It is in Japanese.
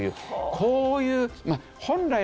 こういう。